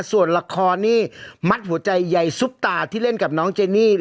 ส่วนละครนี่มัดหัวใจใยซุปตาที่เล่นกับน้องเจนี่